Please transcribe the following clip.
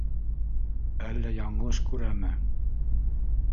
Әллә яңылыш күрәме?